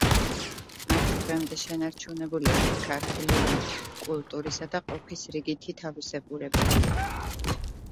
მათ დღემდე შენარჩუნებული აქვთ ქართული ენა, კულტურისა და ყოფის რიგი თავისებურებები.